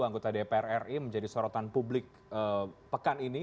anggota dpr ri menjadi sorotan publik pekan ini